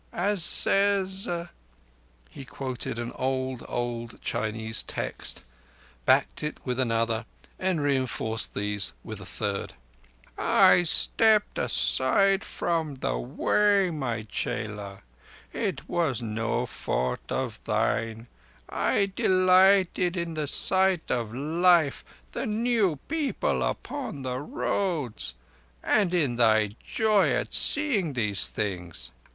As says ..." He quoted an old, old Chinese text, backed it with another, and reinforced these with a third. "I stepped aside from the Way, my chela. It was no fault of thine. I delighted in the sight of life, the new people upon the roads, and in thy joy at seeing these things.